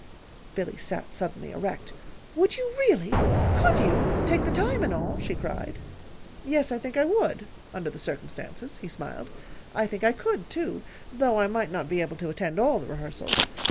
Billy sat suddenly erect. "Would you, really? Could you take the time, and all?" she cried. "Yes, I think I would under the circumstances," he smiled. "I think I could, too, though I might not be able to attend all the rehearsals.